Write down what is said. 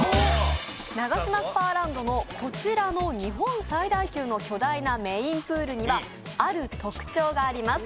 ナガシマスパーランドのこちらの日本最大級の巨大なメーンプールには、ある特徴があります。